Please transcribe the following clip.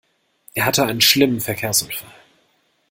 Er hatte einen schlimmen Verkehrsunfall.